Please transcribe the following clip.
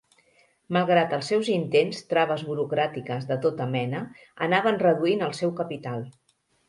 Malgrat els seus intents, traves burocràtiques de tota mena anaven reduint el seu capital.